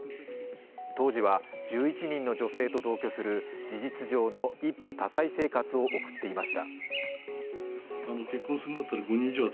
当時は１１人の女性と同居する事実上の一夫多妻生活を送っていました。